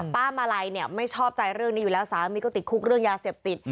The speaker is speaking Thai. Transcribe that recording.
ป้ามาลัยเนี่ยไม่ชอบใจเรื่องนี้อยู่แล้วสามีก็ติดคุกเรื่องยาเสพติด